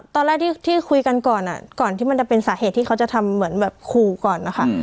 ตอนแรกที่คุยกันก่อนก่อนที่มันจะเป็นสาเหตุที่เขาจะทำเหมือนแบบขู่ก่อนนะคะ